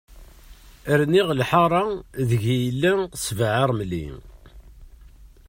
Rniɣ lḥara, deg i yella sbeɛ aṛemli.